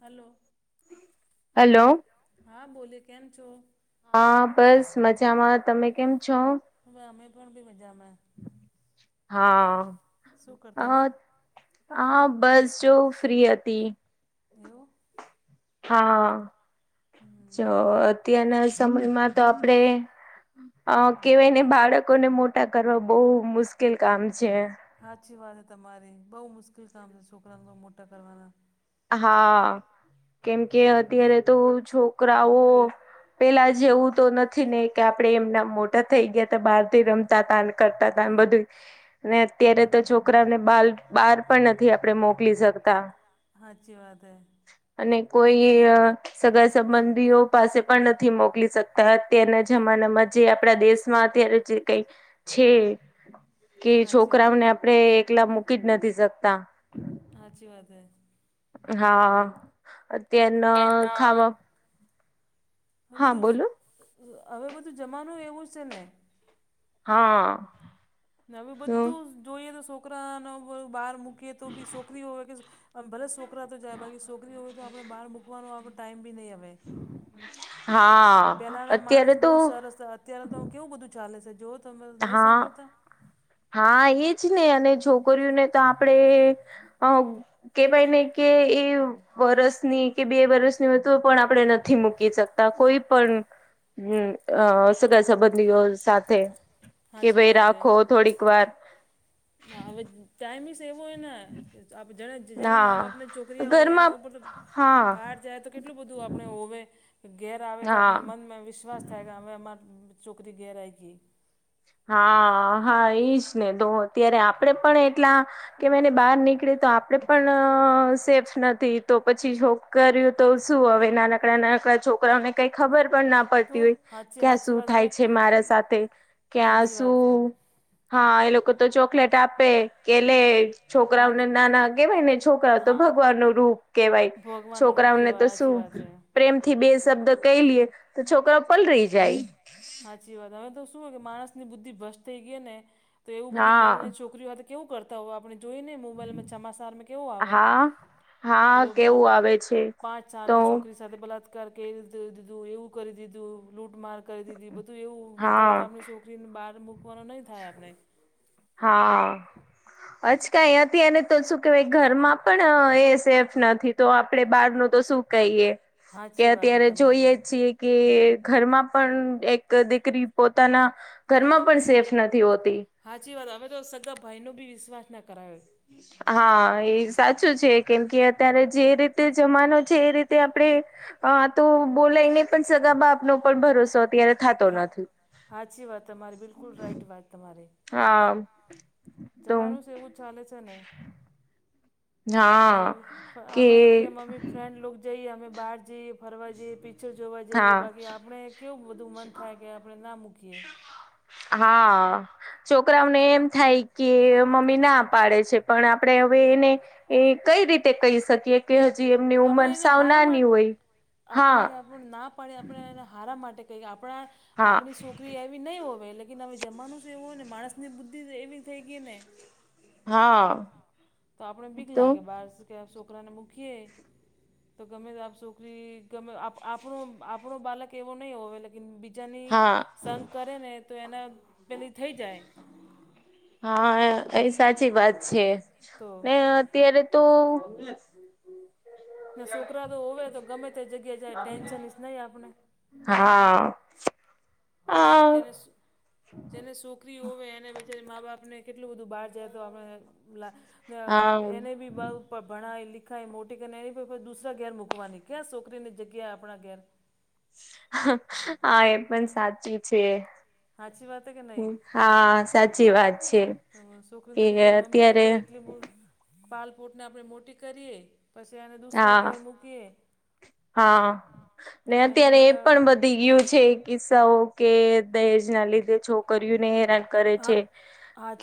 Hello હા બોલે કેમ છો? હા, બસ મજામાં. તમે કેમ છો? હમ્મ હમે પણ ભી મજામાં. હા અહ અહ બસ જો ફ્રી હતી. એવું? હા, જો અત્યારના સમયમાં તો આપડે કેવાય ને બાળકોને મોટા કરવા બહુ મુશ્કેલ કામ છે. સાચી વાત છે તમારી. બહુ મુશ્કેલ કામ છે છોકરાને મોટા કરવાના. હા, કેમ કે અત્યારે તો છો છોકરાઓ પેલા જેવું તો નથી ને, કે આપડે એમના મોટા થઈ ગયા તો, બહાર થી રમતા થા ને કરતા થા તને બધું ને અત્યારે તો જો છોકરાને બહાર પણ નથી આપડે મોકલી શકતા. હા હાચી વાત હૈ. અને કોઈ અહ સગા સંબંધીઓ પાસે પણ નથી મોકલી શકતા. અત્યારના જમાનામાં જે આપડા દેશમાં અત્યારે જે તે છે કે છોકરા ઓને આપ આપડે એકલા મૂકી જ નથી શકતા. હાચી વાત હૈ. હા, અત્યાર ના ખાવા હા બધું હવે બધું જમાનું એવું છે ને? હા, ને હવે બધું જોઈએ તો છોકરાને અવું બાર મુક કે તો બી શોકરી હો હવે કે આમ ભલે છોકરા તો જાય. બાકી છોકરીઓ હોય તો, આપડે બહાર મૂકનો આવેનો ટાઈમ બી નહીં હવે. પેલાના માણસ બઉુ સરસ છે. અત્યારે તો કેવું બધું ચાલે છે જો હા. હા એજ ને અને છોકરીઓને તો આપડે અહ કે ભાઈ નહીં કે એ વરસની કે બે વરસ પણ તો આપણે નથી મૂકી શકતા કોઈ પણ હમ્મ અહ સગા સંબંધીઓ સાથે કે ભાઈ રાખો થોડીક વાર ના હવે ટાઈમીસ એવો હોય આપ જણે જેને મા બાપને છોકરી હોય એના ઉપર તો બાર જ તો કેટલું બધું આપણે હોવે. ઘેર આવે તો આપણે મનમાં વિશ્વાસ થાય કે અમે અમાર છોકરી ઘેર આઈ ગઈ. હા હા એઈ જ ને દો ત્યારે આપડે પણ એટલા કે મેને બહાર નીકળી તો આપડે પણ અહ સેફ નથી. તો પછી જોક કર્યું તો શું હવે નાનકડાના આપડા છોકરાને કઈ ખબર પણ ના પડતી હોય. કે આ શું થાય છે મારા સાથે. કે આ શું હા, એ લોકો તો ચોકલેટ આપે કે લે છોકરાઓને ના ના કેહેવાય ને. છોકરાઓ તો ભગવાન નું રૂપ કેવાય, છોકરાઓને તો શું. પ્રેમ થી બે શબ્દ કહીએ, તો છોકરાઓ પલરી જાય. સાચી વાત. હવે તો શું હોય કે, માણસની બુદ્ધિ ભષ્ટ થઈ ગઈ ને, તો એવું બધું. છોકરીઓવા તો કેવું કરતા હોય, આપણે જોઈને મોબાઈલમાં સમાચાર કેવુ આવે. એ પલ પાંચ ચાલની છોકરી [unintelligible] સાથે બલાત્કાર કરી દીધું, એવું કરી દીધું, લૂંટ માર કરી. એ બધું એવું બતાવે તો, આપણી છોકરીને બહાર મૂકવાનું નહીં થાય, આપણે હા, આજકાલ અહીયા એને તો શું કેવાય ઘરમાં. પણ એ સેફ નથી, તો આપડે બહાર નું તો શું કહીએ. કે અત્યારે જોઈએ છીએ. કે ઘરમાં પણ એક દીકરી પોતાના ઘરમાં પણ સેફ નથી હોતી. હાચી વાત. હવે તો સગા ભાઈનો બી વિશ્વાસ ન કરાય. હા, એ સાચું છે, કેમ કે અત્યારે જે રીતે જમાનો છે, એ રીતે આપણે આ તો બોલાય નય, પણ સગા બાપનો પણ ભરોસો અત્યારે થાતો નથી. સાાચી વાત તમારી બિલકુલ. રાઈટ વાત તમારે તમારું છે, એવું જ. ચાલે છે ને, આપણે તો મમ્મી ફેન્ડ જઈએ, અમે બહાર જઈએ, ફરવા જઈએ, પિક્ચર જોવા જઈએ બાકી. આપણે કેવું બધું મન થાય કે, આપણે ના મૂકીએ. હા, છોકરાઓને. થાય કે, મમ્મી ના પાડે છે, પણ આપણે હવે એને એ કઈ રીતે કહી શકીએ કે, હજી એમની ઉંમર સાવ નાની હોય, હા. ના પાડી, આપણે એને હારા માટે કહી આપણા આપણી. છોકરી એવી નહીં હોય લે, હવે જમાનો છે, એવું હોય ને, માણસ ની બુદ્ધિ તો એવી થઈ ગઈ ને. હા, તો આપણે બીક લાગે, બાર કે છોકરાને મૂકીએ. [unintelligible] તો ગમે આપ, છોકરી ગમે આપણ આપણુ બાળક એવો નહી હોય. બીજા ની સંગ કરે ને, તો એના પેલી થઈ જાય. હા, એ સાચી વાત છે ને, અત્યારે તો. ને છોકરા તો હોવે તો ગમે તે જગ્યા જાય, ટેન્શન જ નહી આપણે. હા. તનાસ [unintelligible] જેને છોકરી હોય, એને બીચારી મા બાપને કેટલું બધું બહાર જાય તો આપણે. ના એને બી. ભણાય, લીખાય મોટી કરી એ, દુસરા ઘેર મૂકવાની ક્યાં છોકરીને જગ્યા આપણા ઘેર. હા, એ પણ સાચુ છે. હા, સાચી વાત છે. છોકરી તો બિચારી મમ્મી ને કે, એટલી પાલપોસીને આપણે મોટી કરીએ, પછી એને દુસરા ઘેર મૂકીએ. હા ને, અત્યારે એ પણ બધી ગયું છે. કિસ્સાઓ કે, દહેજ ના લીધે છોકરીઓ ને હેરાન કરે છે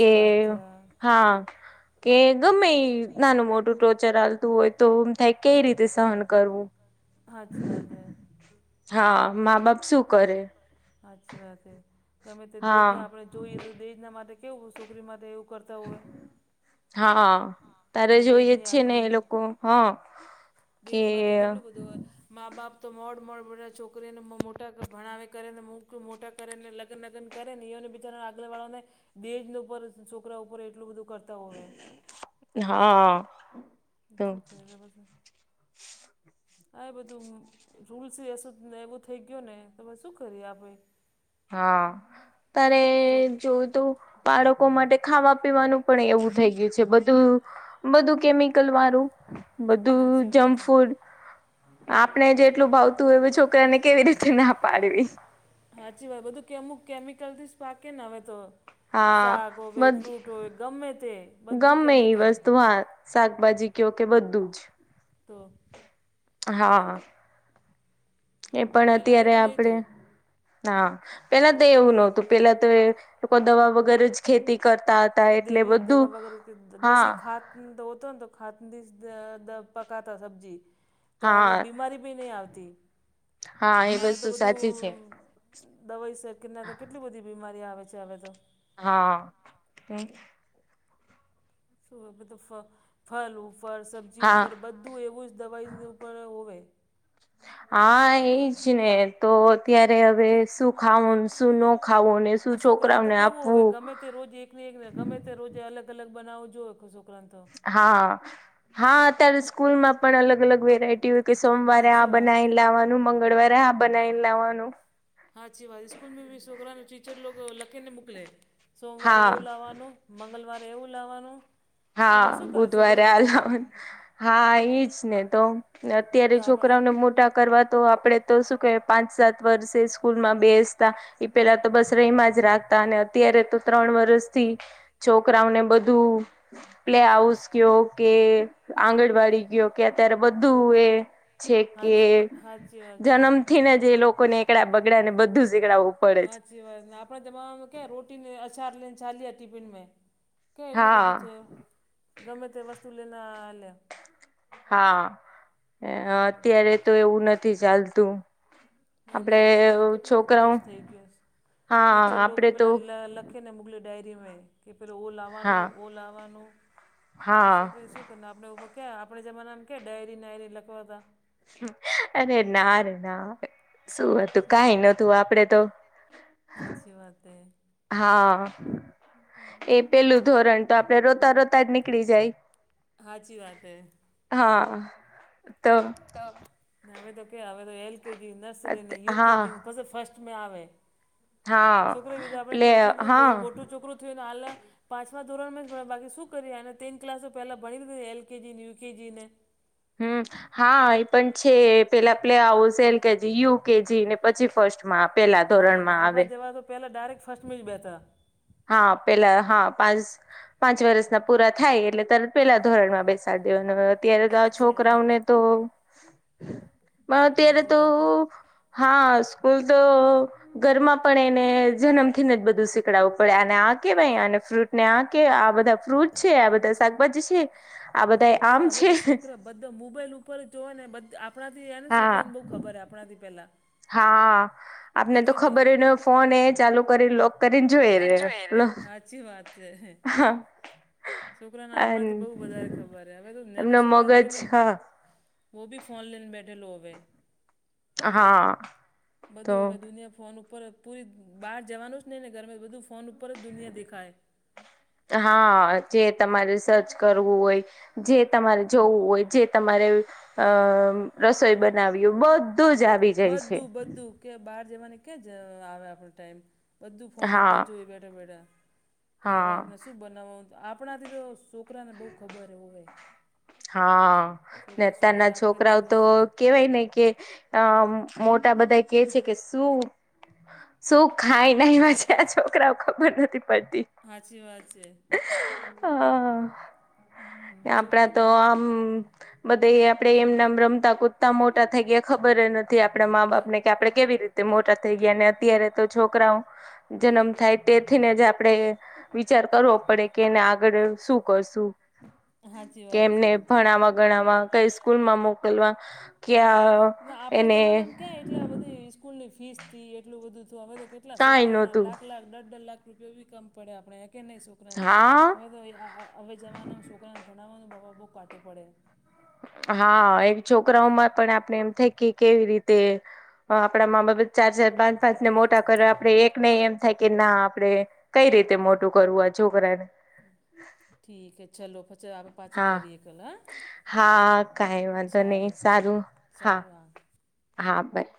કે. હા કે, ગમે નાનું-મોટું ટોર્ચર હાલતું હોય તો. થાય, કઈ રીતે સહન કરવું. સાચી વાત છે. હા, મા-બાપ શું કરે? સાચી વાત હે, ગમે તે દહેજ ના આપણે જોઈએ, તો દહેજના માટે કેવું છોકરી માટે એવું. કરતા હોય. તમે દેજ નહી હ લ [unintelligible] તેજ માટે કેટલું બધું હોય, મા-બાપ તો મોડ મો બા છોક છોકરીને મોટા કરે, ભણાવે કરી, અને અમુક મોટા કરને, લગન લગન કર ને, બીચારા આગલા વાવોને. બેજ ઉપર છોકરા ઉપર એટલું બધું કરતા. તવે સુખે તો બસ. હા, એ બધું રૂલ્સસ. એવું થઈ ગયું ને, તો શું કરીએ આપે. હા, તરે જોયું તો. બાળકો માટે ખાવા-પીવાનું પણ એવું થઈ ગયું છે, બધું-બધું. કેમિકલ વાળું બધું જંક ફૂડ. આપણે જેટલું ભાવતું હોય, એ છોકરાને કેવી રીતે ના પાડવી. હાચી વાત, બધું કે અમુક કેમિકલથી જ પાકે ને હવે તો. શાક હોવે, ફ્રૂટ હોવે, ગમે તે બધું કેમિકલ. વાર. શાકભાજી કવ કે બધું જ. તો. હા. એ પણ અત્યારે આપડે. હા, પેલા તો એવું નહતું પેલા તો. લોકો દવા વગેરે જ ખેતી કરતા હતા, એટલે બધું હા. ધોતોને તો ખા પકાતા સબ્જી. તો હવે બીમારી બી નહી આવતી, હવે તો બધું દવાઈ શેકના તો કેટલી બધી બીમારી આવે છે, હવે તો. હા. શું મ ફલ ઉપર, સબ્જી ઉપર, બધું એવું જ દવાઈ ઉપર હોય. હા, એજ ને તો, અત્યારે હવે શું ખાવું? શું ન ખાવુંને, શું છોકરાઓને આપવું? તે રોજ એક ને, એક ગમે તે રોજે અલગ-અલગ બનાવો જોવે કશું કરતો. હા. હા, અત્યારે સ્કૂલ માં પણ અલગ-અલગ વેરાયટી હોય કે સોમવારે આ બનાવી લેવાનું. મંગળવારે આ બનાવીને લાવવાનું. હાચી વાત, સ્કૂલમાં બી છોકરા, ટીચર લોકો લખેને મોકલેે, સોમવારે એવું લવાનો. મંગળવારે એવું લાવવાનું, ખબર શું કરો? છોકરે બિચારા હા, એઈ જ ને તો. અત્યારે છોકરાઓને મોટા કરવા તો, આપડે તો શું કે? પાંચ-સાત વર્ષે સ્કૂલ માં બેસ એ પેલા તો બસ રહીમાં જ રાખતા, અને અત્યારે તો ત્રણ વર્ષથી છોકરાઓને બધું પ્લે હાઉસ કયો કે. આંગણવાડી ગયો કે, અત્યારે બધું એ છે કે જન્મ. જેને જે લોકો ને એકડા-બગડા ને, બધું જ એકડા હાચી વાતને, આપણા જમામાં ક્યા રોટીને અચાર લઈને, ચાલી ટિફિન મે. ક્યા એટલું બધું થયું, ગમે તે વસ્તુ લઈને લ્યા. હા, અત્યારે તો એવું નથી ચાલતું. ના ના હવે તો કેટલું બધું રૂસ થઈ ગયા ટીચર પેલા લખ ને મોકલી ડાયરી કેે ઓ લાવવાનું ઓ લાવવાનુંક કર્યુ. આપણેે ઉભો ક આપણે જમાનામ કે ડાયરી નાયરી લખવાતા. અરે ના ર ના શું હતું કઈ નતું આપડે તો. હાચી વાત હે. હા એ પેલું ધોરણ તો આપડે રોતા રોતા જ નીકળી જાય. હાચી વાત હૈ. હા તો. હવે તો કે હવે તો એલકેજી નર્સરી ને યુકેજી ફર્સ્ટ આવે છોકરીીજા આપડે એટલું બધું મોટું છોકરું થયું ને હાલ. પાંચમા ધોરણ મે બાકી શું કર્યું એને તેન ક્લાસ પહેલા ભણી લીધું એલ કેજી ને યુકેજી ને હમ હા એ પણ છે પેલા play house L KG U KG ને પછી ફર્સ્ટમાં માપ. હા આપડા જવા તો પેલા ડાયરેક્ટ ફર્સ્ટ [unintelligible] હા પેલા હા પાંચ. પાંચ વર્ષ ના પૂરા થાય એટલે તરત પેલા ધોરણ માં બેસાડ દેવાનું અત્યારે તો છોકરાઓને તો પણ અત્યારે તો હા સ્કૂલ તો ઘરમાં પણ એને જન્મ થીને જ બધું શીખડાવું. પડે અને આ કેવાય અને ફ્રૂટ ને આ કે આ બધા. ફ્રૂટ છે આ બધા શાકભાજી છે આ બધાય આમ છે. બધું મોબાઈલ ઉપર જ જોવે ને બધ આપણાથી એ ને છોકરાને બહુ ખબર છે આપણાથી પહેલાં. હા આપને તો ખબર હોય ને ફોન એ ચાલુ કરીને લોક કરીને જોઈએ. [unintelligible] સાચી વાત છે. છોકરાને આપણાથી બહુ વધારે ખબર હ હવે તો નાના છોકરાને જોઈને. વો બી ફોન લેને બેઠે લો હવે. બધું હવે દુનિયા ફોન ઉપર ઉપર પૂરી બહાર જવાનું જ નહીં ને ઘરમે બધું ફોન ઉપર જ દુનિયા દેખાય. હા જે તમારે સર્ચ કરવું હોય. જે તમારે જોવું હોય જે તમારે અ રસોઈ બનાવ્યું બધું જ આવી જાય છે. કે બહાર જવાને ક્યાં આવે આપણ ટાઈમ બધું ફોન ઉપર જોઈ બેઠા બેઠા કે હવે આપણે શું બનાવવાનું આપણાથી તો છોકરાને બહુ ખબર હોય. છોકરા શું કરે આખ્ખા દિવસ. કેવાય ને કે આં મોટા બધા કે છે કે શું. શું ખાઈ ને આવીયા છે આ છોકરાઓ ખબર નથી પડતી. હાચી વાત છે. હ આપણા તો આમ. બધા એ આપડે એમ નેમ રમતા કુદતા મોટા થઈ ગયા ખબરેય નથી આપડા મા બાપને કે આપડે કેવી રીતે. મોટા થઈ ગયા અને અત્યારે તો છોકરાઓ જન્મ થાય તેથીને જ. આપણે વિચાર કરવો પડે કે એને આગળ શું કરશું. કેમને ભણાવા ગણાવા કઈ સ્કૂલ માં મોકલવા. ના આપડા જમાનામાં ક્યાં કેટલા બધી ઈસ્કૂલ ની ફીસ થી એટલું બધું શું થયું હવે તો કેટલા છોકરાના લાખ લાખ દહ દહ લાખ રૂપયો બી કામ પડે આપણે હે કે નહીં છોકરા ને હવે તો આ. હવે જમાના છોકરાને ભણાવવાનું બાપા બહુ કાંટુ પડે. હા એક છોકરાઓમાં પણ આપણે એમ થઈ કે કેવી રીતે. આપણા માબાપ એ ચાર ચાર પાંચ પાંચ ને મોટા કરે આપડે એકનેય એમ થાય કે ના આપણેે. કઈ રીતે મોટું કરવું આ છોકરાને. ઠીકે હે ચલો પછી આપ પાછા કરીએ કલ હા. હા કઈ વાંધો નહી સારું હા. હા બાય.